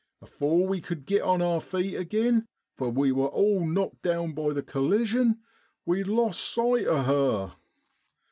Afore we cud git on our feet agin for we was all knocked down by the collision we lost sight o' her.